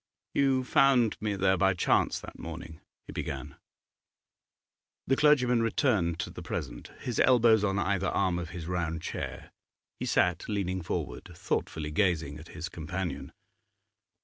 'You found me there by chance that morning?' he began. The clergyman returned to the present. His elbows on either arm of his round chair, he sat leaning forward, thoughtfully gazing at his companion.